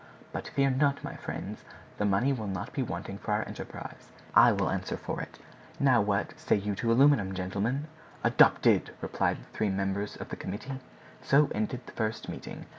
But fear not, my friends; the money will not be wanting for our enterprise. I will answer for it. Now what say you to aluminum, gentlemen?" "Adopted!" replied the three members of the committee. So ended the first meeting.